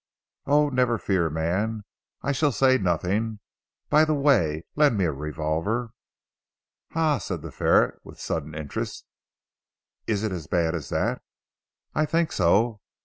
Oh, never fear man, I shall say nothing. By the way, lend me a revolver:" "Ha!" said the ferret with sudden interest, "is it as bad as that?" "I think so.